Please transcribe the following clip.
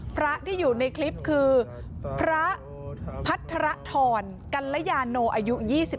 พระที่อยู่ในคลิปคือพระพัทรธรกัลยาโนอายุ๒๓